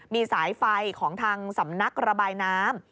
มีสายไฟของทางสำนักระบายน้ำ